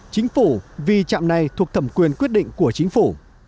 chính phủ vì trạm này thuộc thẩm quyền quyết định của chính phủ